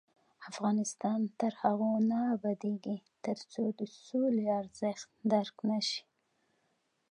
افغانستان تر هغو نه ابادیږي، ترڅو د سولې ارزښت درک نشي.